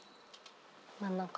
真ん中。